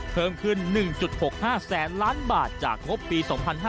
เพิ่มขึ้น๑๖๕แสนล้านบาทจากงบปี๒๕๕๙